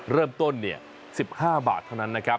เริ่มต้น๑๕บาทเท่านั้นนะครับ